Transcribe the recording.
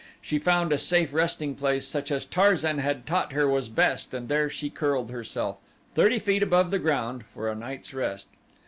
She found a safe resting place such as Tarzan had taught her was best and there she curled herself, thirty feet above the ground, for a night's rest.